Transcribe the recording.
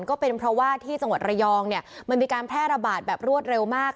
ก็เป็นเพราะว่าที่จังหวัดระยองเนี่ยมันมีการแพร่ระบาดแบบรวดเร็วมาก